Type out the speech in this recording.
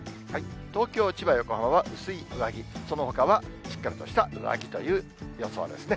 東京、千葉、横浜は薄い上着、そのほかはしっかりとした上着という予想ですね。